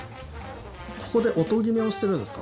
ここで音決めをしてるんですか？